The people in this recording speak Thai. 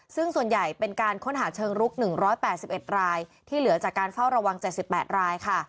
ซึ่งส่วนใหญ่เป็นการค้นหาเชิงลุก๑๘๑รายที่เหลือจากการเฝ้าระวัง๗๘รายค่ะ